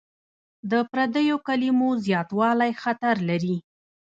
د پردیو کلمو زیاتوالی خطر لري.